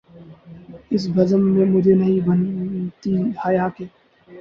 اس بزم میں مجھے نہیں بنتی حیا کیے